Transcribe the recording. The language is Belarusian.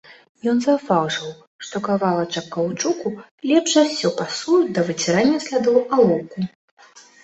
Ён заўважыў, што кавалачак каўчуку лепш за ўсё пасуе да выцірання слядоў алоўку.